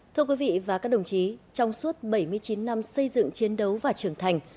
thưa quý vị và các đồng chí trong suốt bảy mươi chín năm xây dựng chiến đấu và trưởng thành